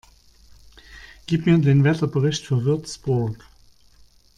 Gib mir den Wetterbericht für Würzburg